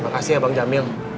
makasih ya bang jamil